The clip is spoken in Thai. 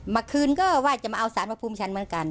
เมื่อคืนก็ว่าจะมาเอาสารมาภูมิฉันเหมือนกัน